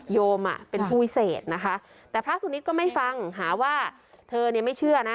โยมอ่ะเป็นผู้วิเศษนะคะแต่พระสุนิทก็ไม่ฟังหาว่าเธอเนี่ยไม่เชื่อนะ